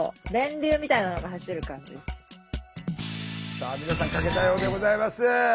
さあ皆さん書けたようでございます。